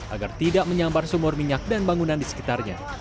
agar tidak menyambar sumur minyak dan bangunan di sekitarnya